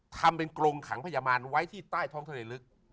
ทำเป็นกรงขังพยาบาลไว้ที่ใต้ท้องทะเลลึก